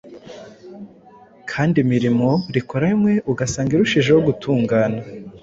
kandi imirimo rikoranwe ugasanga irushijeho gutungana.